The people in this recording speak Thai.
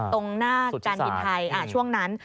ตรงหน้าการบินไทยช่วงนั้น